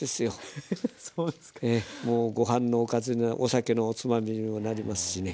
ええもうご飯のおかずにお酒のおつまみにもなりますしね。